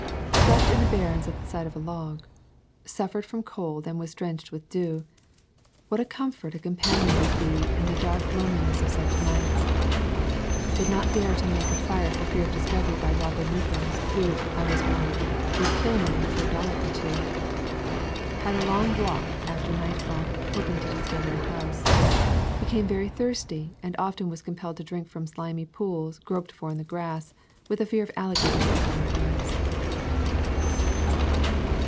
Slept in the barrens at the side of a log. Suf fered from cold and was drenched with dew. What a comfort a companion would be in the dark loneliness of such nights! Did not dare to make a fire for fear of discovery by robber negroes, who, I was warned, would kill a man for a dollar or two. Had a long walk after night fall, hoping to discover a house. Became very thirsty and often was compelled to drink from slimy pools groped for in the grass, with the fear of alligators before my eyes.